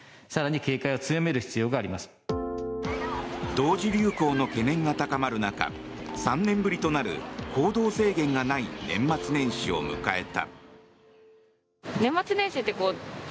同時流行の懸念が高まる中３年ぶりとなる行動制限がない年末年始を迎えた。